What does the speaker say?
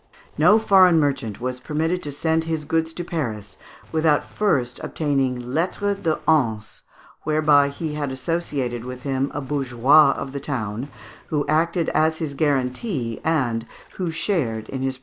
No foreign merchant was permitted to send his goods to Paris without first obtaining lettres de Hanse, whereby he had associated with him a bourgeois of the town, who acted as his guarantee, and who shared in his profits.